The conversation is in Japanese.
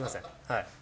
はい。